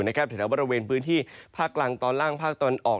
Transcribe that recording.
แถวบริเวณพื้นที่ภาคกลางตอนล่างภาคตะวันออก